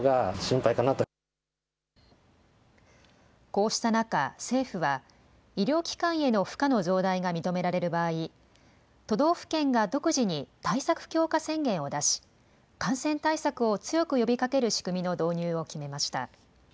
こうした中、政府は医療機関への負荷の増大が認められる場合、都道府県が独自に対策強化宣言を出し、感染対策を強く呼びかける仕組みの導入を決めました。